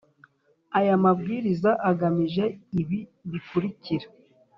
Aya mabwiriza agamije ibi bikurikira